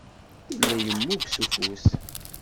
Yella yemmug s ufus.